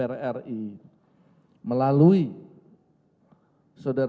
ekonomi royal bank david i